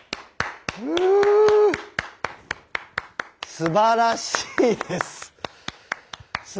すばらしいです。